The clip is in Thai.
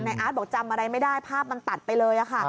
อาร์ตบอกจำอะไรไม่ได้ภาพมันตัดไปเลยค่ะ